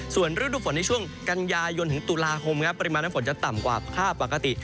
ส่วนฤดูฝนในช่วงกันยายนถึงตุลาคมครับปริมาณน้ำฝนจะต่ำกว่าค่าปกติ